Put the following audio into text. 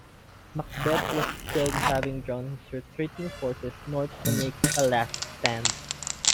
Macbeth was killed, having drawn his retreating forces north to make a last stand.